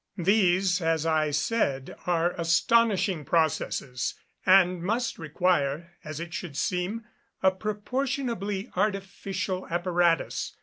These, as I said, are astonishing processes, and must require, as it should seem, a proportionably artificial apparatus.